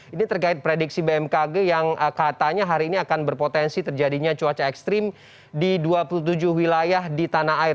ini terkait prediksi bmkg yang katanya hari ini akan berpotensi terjadinya cuaca ekstrim di dua puluh tujuh wilayah di tanah air